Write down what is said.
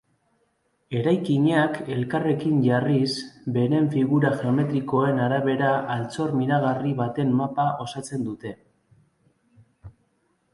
Eraikinak elkarrekin jarriz beren figura geometrikoen arabera altxor miragarri baten mapa osatzen dute.